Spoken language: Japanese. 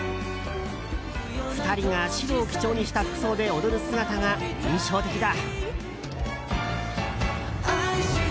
２人が白を基調にした服装で踊る姿が印象的だ。